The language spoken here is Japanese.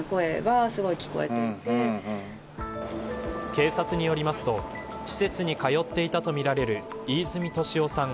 警察によりますと施設に通っていたとみられる飯泉利夫さん